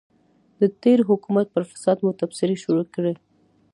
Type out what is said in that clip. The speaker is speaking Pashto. د تېر حکومت پر فساد مو تبصرې شروع کړې.